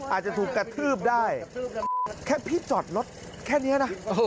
อาจจะถูกกระทืบได้แค่พี่จอดรถแค่นี้นะ